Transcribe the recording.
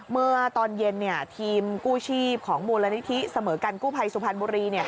เมื่อตอนเย็นทีมกู้ชีพของมูลนิธิเสมอกันกู้ภัยสุพรรณบุรี